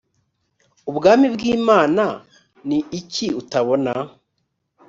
ubwami bw imana ni iki utabona